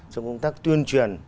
trong công tác tuyên truyền